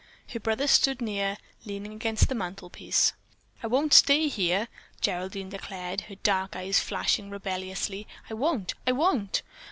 Her brother stood near, leaning against the mantlepiece. "I won't stay here!" Geraldine declared, her dark eyes flashing rebelliously. "I won't! I won't!